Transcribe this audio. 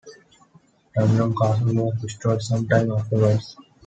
Dundrum Castle was destroyed sometime afterwards.